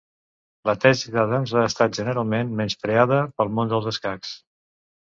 La tesi d'Adams ha estat generalment menyspreada pel món dels escacs.